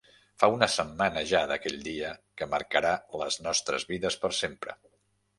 Fa una setmana ja d’aquell dia que marcarà les nostres vides per sempre.